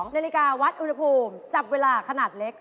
นาฬิกาวัดอุณหภูมิจับเวลาขนาดเล็ก